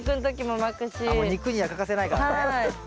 もう肉には欠かせないからね。